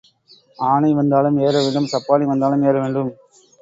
ஆனை வந்தாலும் ஏற வேண்டும் சப்பாணி வந்தாலும் ஏற வேண்டும்.